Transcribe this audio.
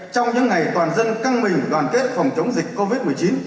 trong những ngày toàn dân căng mình đoàn kết phòng chống dịch covid một mươi chín